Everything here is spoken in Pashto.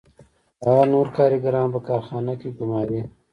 هغه نور کارګران په کارخانه کې ګوماري